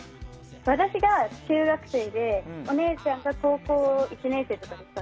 私が中学生でお姉ちゃんが高校１年生とかで。